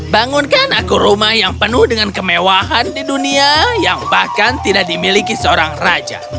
bangunkan aku rumah yang penuh dengan kemewahan di dunia yang bahkan tidak dimiliki seorang raja